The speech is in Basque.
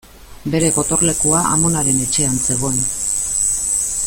Bere gotorlekua amonaren etxean zegoen.